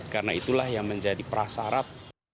karena itulah yang menjadi prasarab